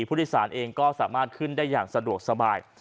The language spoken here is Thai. ผู้โดยสารเองก็สามารถขึ้นได้อย่างสะดวกสบาย